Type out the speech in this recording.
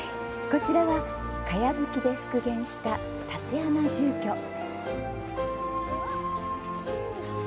こちらは、かやぶきで復元した竪穴住居。